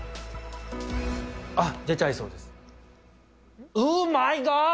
あっ、出ちゃいそうです。